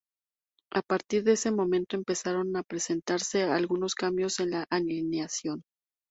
A partir de ese momento, empezaron a presentarse algunos cambios en la alineación.